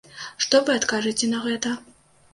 Што вы адкажаце на гэта?